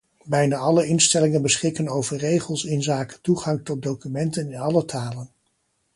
Bijna alle instellingen beschikken over regels inzake toegang tot documenten in alle talen.